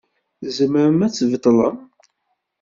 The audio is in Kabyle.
Tzemrem ad tbeṭlem?